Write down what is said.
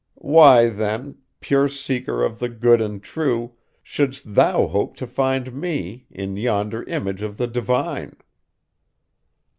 Why, then, pure seeker of the good and true, shouldst thou hope to find me, in yonder image of the divine?